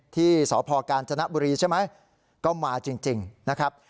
ที่สพกาญจนบุรีใช่ไหมก็มาจริงนะครับ